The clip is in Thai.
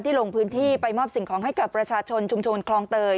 ลงพื้นที่ไปมอบสิ่งของให้กับประชาชนชุมชนคลองเตย